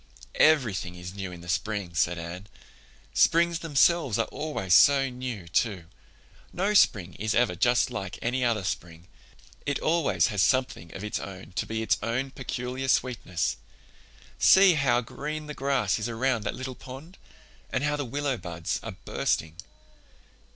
"Everything is new in the spring," said Anne. "Springs themselves are always so new, too. No spring is ever just like any other spring. It always has something of its own to be its own peculiar sweetness. See how green the grass is around that little pond, and how the willow buds are bursting."